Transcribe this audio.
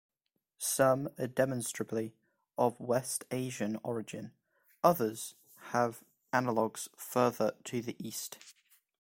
Some are demonstrably of West Asian origin, others have analogues further to the East.